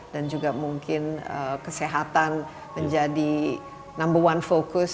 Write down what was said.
dan juga mungkin kesehatan menjadi number one focus